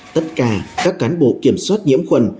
tất cả các cán bộ kiểm soát nhiễm khuẩn